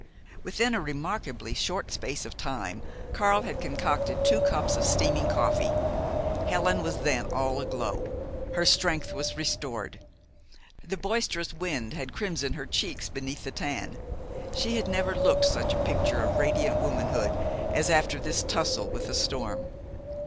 Within a remarkably short space of time, Karl had concocted two cups of steaming coffee. Helen was then all aglow. Her strength was restored. The boisterous wind had crimsoned her cheeks beneath the tan. She had never looked such a picture of radiant womanhood as after this tussle with the storm.